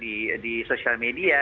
mereka juga modern di social media